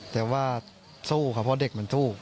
แต่ว่าสู้ค่ะเพราะเด็กมันสู้